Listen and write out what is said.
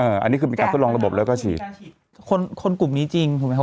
อันนี้คือเป็นการทดลองระบบแล้วก็ฉีดคนคนกลุ่มนี้จริงถูกไหมครับ